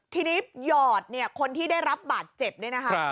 ทีนี้หยอดเนี่ยคนที่ได้รับบาดเจ็บเนี่ยนะคะ